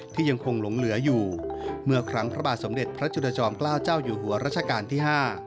ที่ยังคงหลงเหลืออยู่เมื่อครั้งพระบาทสมเด็จพระจุลจอมเกล้าเจ้าอยู่หัวรัชกาลที่๕